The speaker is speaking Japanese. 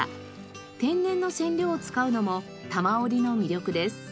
天然の染料を使うのも多摩織の魅力です。